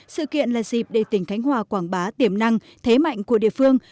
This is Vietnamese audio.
sự kiện là dịp để tỉnh khánh hòa quảng bá tiềm năng thế mạnh của địa phương